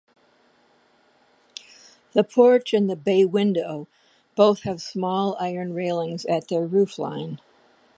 The porch and the bay window both have small iron railings at their roofline.